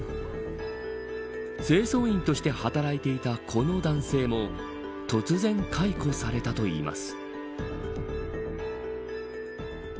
清掃員として働いていたこの男性も突然、解雇されたといいます。